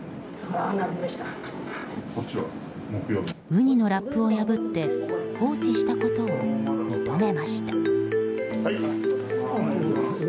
ウニのラップを破って放置したことを認めました。